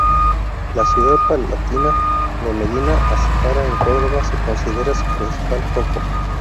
La ciudad palatina de Medina Azahara, en Córdoba, se considera su principal foco.